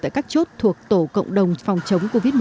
tại các chốt thuộc tổ cộng đồng phòng chống covid một mươi chín